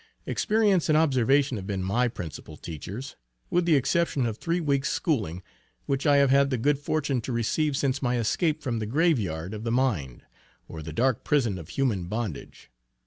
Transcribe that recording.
Experience and observation have been my principal teachers, with the exception of three weeks schooling which I have had the good fortune to receive since my escape from the "grave yard of the mind," or the dark prison of human bondage.